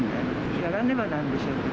やらねばなんでしょうけど。